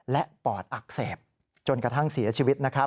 และปอดอักเสบจนกระทั่งเสียชีวิต